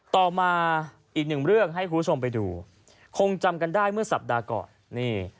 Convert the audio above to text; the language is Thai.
ต่อมาอีกหนึ่งเรื่องให้คุณผู้ชมไปดูคงจำกันได้เมื่อสัปดาห์ก่อนนี่